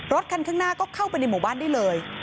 คันข้างหน้าก็เข้าไปในหมู่บ้านได้เลย